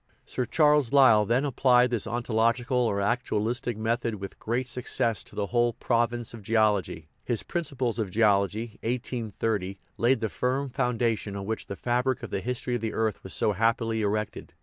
Sir Charles Lyell then applied this ontological or actualistic method with great success to the whole province of geology; his Princi ples of Geology (1830) laid the firm foundation on which 249 THE RIDDLE OF THE UNIVERSE the fabric of the history of the earth was so happily erected.